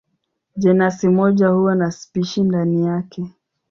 Jenasi moja huwa na spishi ndani yake.